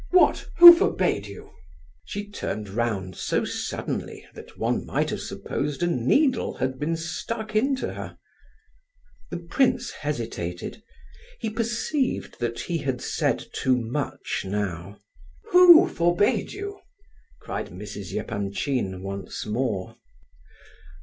"What? Who forbade you?" She turned round so suddenly that one might have supposed a needle had been stuck into her. The prince hesitated. He perceived that he had said too much now. "Who forbade you?" cried Mrs. Epanchin once more.